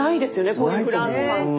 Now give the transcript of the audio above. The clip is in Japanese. こういうフランスパンって。